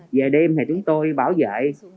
về đêm thì chúng tôi bảo vệ